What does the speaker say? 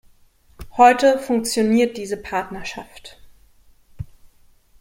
Heute funktioniert diese Partnerschaft.